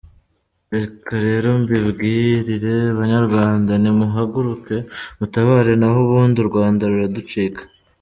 Reka rero mbibwirire banyarwanda, nimuhaguruke mutabare naho ubundi u Rwanda ruraducika.